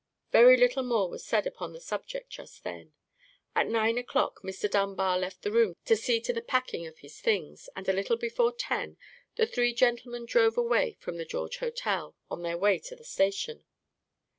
Very little more was said upon the subject just then. At nine o'clock Mr. Dunbar left the room to see to the packing of his things, at a little before ten the three gentlemen drove away from the George Hotel, on their way to the station.